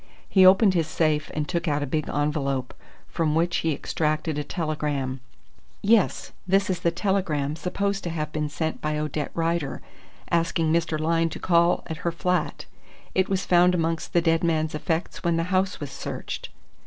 He opened his safe and took out a big envelope, from which he extracted a telegram. "Yes, this is the telegram supposed to have been sent by Odette Rider, asking Mr. Lyne to call at her flat. It was found amongst the dead man's effects when the house was searched."